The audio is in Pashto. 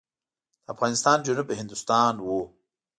د افغانستان جنوب هندوستان و.